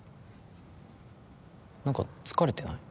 何か疲れてない？